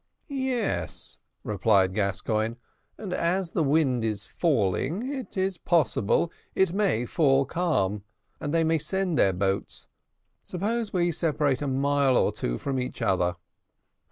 "Yes," replied Gascoigne; "and as the wind is falling it is possible it may fall calm, and they may send their boats; suppose we separate a mile or two from each other."